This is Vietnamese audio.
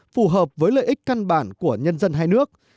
phù hợp với lợi ích căn bản của nhân dân hai nước